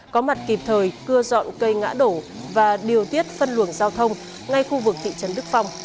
có mặt kịp thời cưa dọn cây ngã đổ và điều tiết phân luồng giao thông ngay khu vực thị trấn đức phong